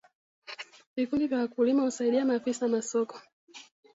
Vikundi vya wakulima huasaidia maafisa masoko